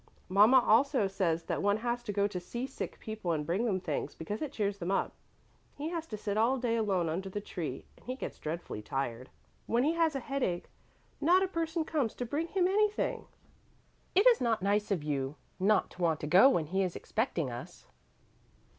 Mama also says that one has to go to see sick people and bring them things, because it cheers them up. He has to sit all day alone under the tree and he gets dreadfully tired. When he has a headache not a person comes to bring him anything. It is not nice of you not to want to go when he is expecting us."